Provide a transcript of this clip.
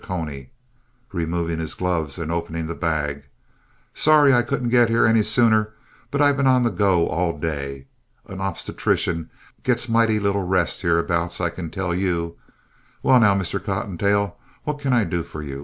CONY (removing his gloves and opening the bag) Sorry I couldn't get here any sooner, but I've been on the go all day. An obstetrician gets mighty little rest hereabouts, I can tell you. Well, now, Mr. Cottontail, what can I do for you?